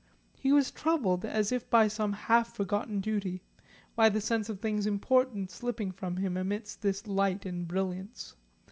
He was troubled as if by some half forgotten duty, by the sense of things important slipping from him amidst this light and brilliance.